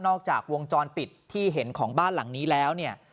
อกจากวงจรปิดที่เห็นของบ้านหลังนี้แล้วเนี่ย